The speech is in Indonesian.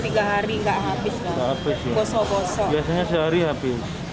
biasanya sehari habis